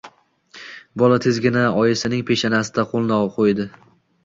bola tezgina oyisining peshanasiga qo`lini qo`ydi